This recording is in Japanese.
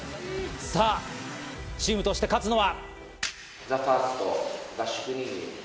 さぁ、チームとして勝つのは。